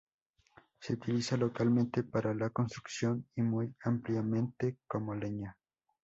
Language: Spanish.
Se utiliza localmente para la construcción y muy ampliamente como leña.